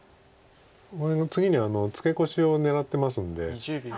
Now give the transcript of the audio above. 次にツケコシを狙ってますんで。